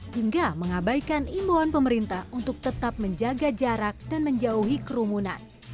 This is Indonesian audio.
hingga mengabaikan imbauan pemerintah untuk tetap menjaga jarak dan menjauhi kerumunan